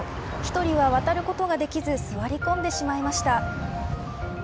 １人は渡ることができず座り込んでしまいました。